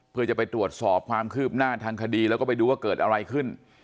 เพื่อจะไปตรวจสอบความคืบหน้าทางคดีแล้วก็ไปดูว่าเกิดอะไรขึ้น